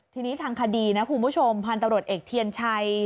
ทีนี้ทางคดีนะคุณผู้ชมพันธุ์ตำรวจเอกเทียนชัย